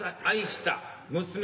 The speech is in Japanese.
愛した。